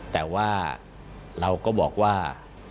แต่ว่าเราก็บอกว่า